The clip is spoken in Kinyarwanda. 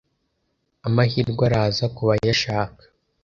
Amahirwe araza kubayashaka.